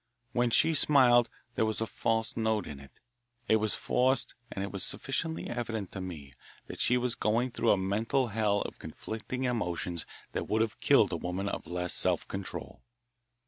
When she smiled there was a false note in it; it was forced and it was sufficiently evident to me that she was going through a mental hell of conflicting emotions that would have killed a woman of less self control.